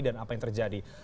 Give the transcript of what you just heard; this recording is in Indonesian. dan apa yang terjadi